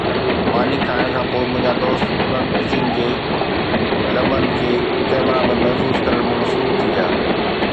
ماني کائڻ کان پوءِ منهنجا دوست انهن خوشين جي لمحن کي ڪئميرا ۾ محفوظ ڪرڻ ۾ مصروف ٿي ويا